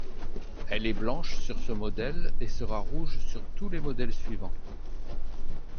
Elle est blanche sur ce modèle et sera rouge sur tous les modèles suivants.